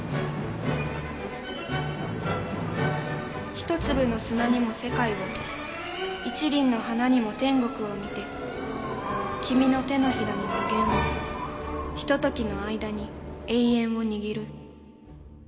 「一粒の砂にも世界を一輪の花にも天国を見て君の掌に無限をひとときの間に永遠を握る」